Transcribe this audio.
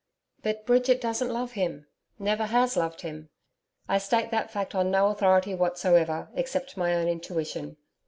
But Bridget, doesn't love him never has loved him. I state that fact on no authority whatsoever except my own intuition.